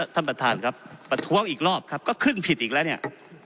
ท่านประธานครับประท้วงอีกรอบครับก็ขึ้นผิดอีกแล้วเนี่ย